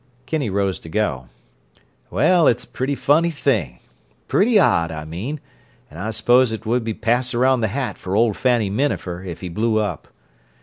Kinney rose to go. "Well, it's a pretty funny thing—pretty odd, I mean—and I suppose it would be pass around the hat for old Fanny Minafer if he blew up.